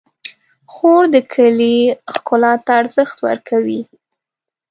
خور د کلي ښکلا ته ارزښت ورکوي.